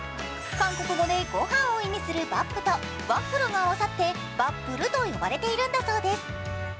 韓国語でご飯を意味するバップとワッフルが合わさってバップルと呼ばれているんだそうです。